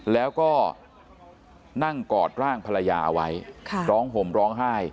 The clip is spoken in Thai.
แล้วก็นั่งกอดร่างภรรยาเอาไว้ร้องห่มร้องไห้